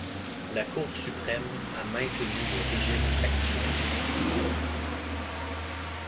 La Cour suprême a maintenu le régime actuel.